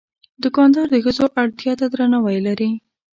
دوکاندار د ښځو اړتیا ته درناوی لري.